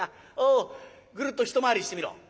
おおぐるっと一回りしてみろ。